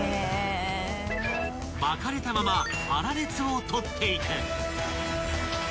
［巻かれたまま粗熱を取っていく］